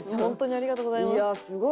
ホントにありがとうございます。